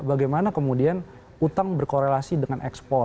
bagaimana kemudian utang berkorelasi dengan pertumbuhan ekonomi